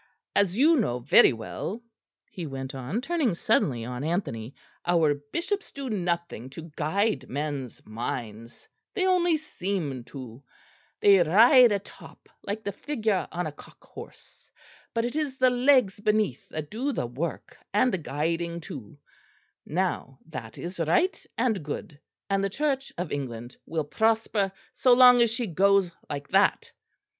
As you know very well," he went on, turning suddenly on Anthony, "our bishops do nothing to guide men's minds; they only seem to: they ride atop like the figure on a cock horse, but it is the legs beneath that do the work and the guiding too: now that is right and good; and the Church of England will prosper so long as she goes like that.